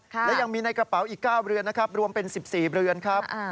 และยังมีในกระเป๋าอีก๙เรือนนะครับรวมเป็น๑๔เรือนครับ